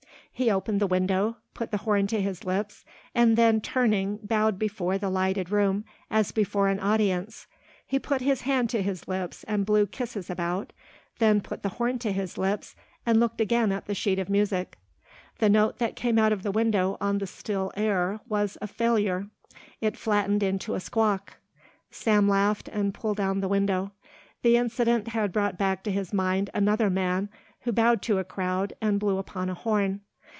He opened the window, put the horn to his lips and then turning bowed before the lighted room as before an audience. He put his hand to his lips and blew kisses about, then put the horn to his lips and looked again at the sheet of music. The note that came out of the window on the still air was a failure, it flattened into a squawk. Sam laughed and pulled down the window. The incident had brought back to his mind another man who bowed to a crowd and blew upon a horn.